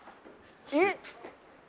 えっ！？